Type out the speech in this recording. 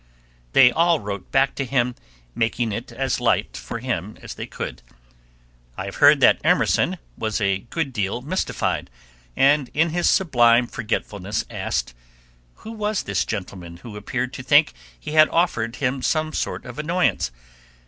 They all wrote back to him, making it as light for him as they could. I have heard that Emerson was a good deal mystified, and in his sublime forgetfulness asked, Who was this gentleman who appeared to think he had offered him some sort of annoyance!